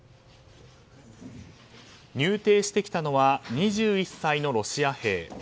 入廷してきたのは２１歳のロシア兵。